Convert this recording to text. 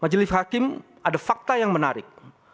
majelis hakim ada fakta yang menarik